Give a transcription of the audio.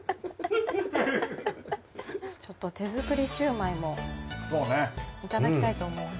ちょっと手作りシューマイもいただきたいと思います。